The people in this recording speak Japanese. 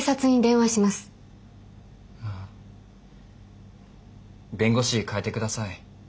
ああ弁護士変えてください。